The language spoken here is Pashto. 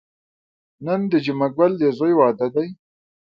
نن د جمعه ګل د ځوی واده دی.